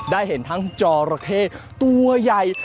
ได้เห็นทั้งจอระเข้ตัวใหญ่